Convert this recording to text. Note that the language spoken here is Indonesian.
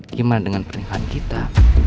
gimana dengan pernikahan kita